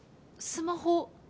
スマホ？